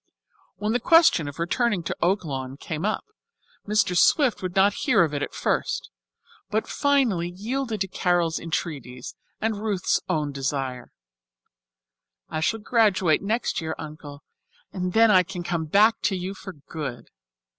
When the question of returning to Oaklawn came up, Mr. Swift would not hear of it at first, but finally yielded to Carol's entreaties and Ruth's own desire. "I shall graduate next year, Uncle, and then I can come back to you for good."